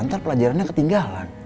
ntar pelajarannya ketinggalan